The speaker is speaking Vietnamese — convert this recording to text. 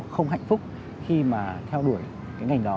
không hạnh phúc khi mà theo đuổi cái ngành đó